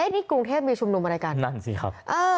นี่กรุงเทพมีชุมนุมอะไรกันนั่นสิครับ